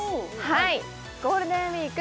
はいゴールデンウィーク